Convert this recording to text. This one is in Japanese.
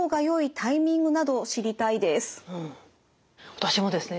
私もですね